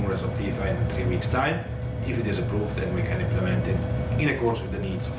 ฉันจะมาเจอคุณแม้มันเกี่ยวกับเวลาเล็ก